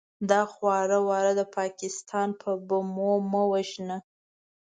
دا خواره واره د پاکستان په بمو مه وژنه!